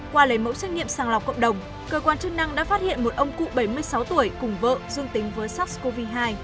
qua lấy mẫu xét nghiệm sàng lọc cộng đồng cơ quan chức năng đã phát hiện một ông cụ bảy mươi sáu tuổi cùng vợ dương tính với sars cov hai